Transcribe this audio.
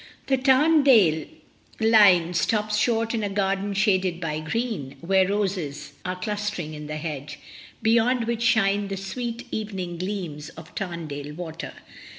The Tamdale line stops short in a garden shaded by green, where roses are clustering in the hedge, beyond which shine the sweet evening gleams of Tarndale water.